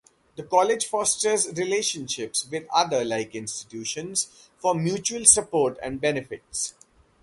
The college fosters relationships with other like institutions for mutual support and benefits.